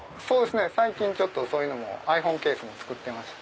最近ちょっとそういうのもｉＰｈｏｎｅケースも作ってます。